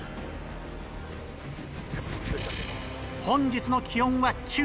本日の気温は９℃